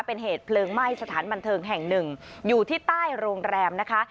เป็นเหตุเพลิงไหม้สถานบันเทิงแห่งหนึ่งอยู่ที่ใต้โรงแรมนะคะ